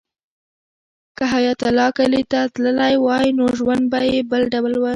که حیات الله کلي ته تللی وای نو ژوند به یې بل ډول و.